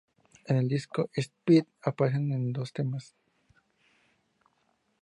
En el disco "Speed" aparece en dos temas.